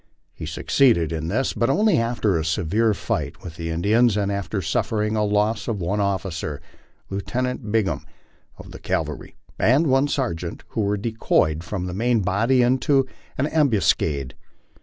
He succeeded in this, but only after a severe fight with the Indians and after suffering a loss of one officer (Lieutenant Bingham of the cavalry) and one sergeant, who were decoyed from the main body into an ambuscade.